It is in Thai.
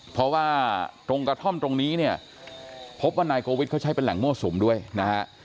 เพราะว่าตรงกระท่อมตรงนี้เนี่ยพบว่านายโกวิทเขาใช้เป็นแหล่งมั่วสุมด้วยนะฮะ